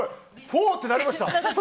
フォー！ってなりました？